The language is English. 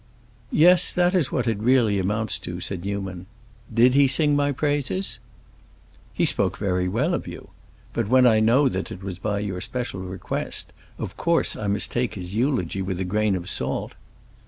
"Yes, that is what it really amounts to," said Newman. "Did he sing my praises?" "He spoke very well of you. But when I know that it was by your special request, of course I must take his eulogy with a grain of salt."